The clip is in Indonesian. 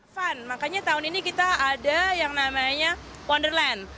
fun makanya tahun ini kita ada yang namanya wonderland